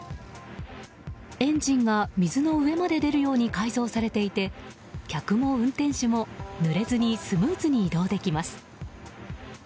エンジンが水の上まで出るように改造されていて客も運転手もぬれずにスムーズに移動できます。